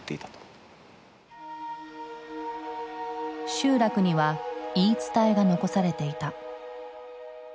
集落には言い伝えが残されていた。